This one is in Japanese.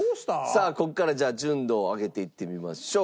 さあここから純度を上げていってみましょう。